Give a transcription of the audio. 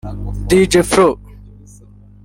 Dj Flor